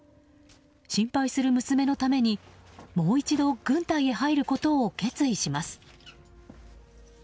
心配する娘のために、もう一度軍隊へ入ることを決意します。